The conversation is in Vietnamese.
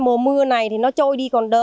mùa mưa này thì nó trôi đi còn đỡ